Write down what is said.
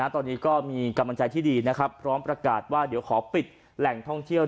ตอนนี้ก็มีกำลังใจที่ดีนะครับพร้อมประกาศว่าเดี๋ยวขอปิดแหล่งท่องเที่ยว